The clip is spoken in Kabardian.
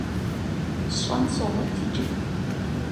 СщӀэн согъуэт иджы.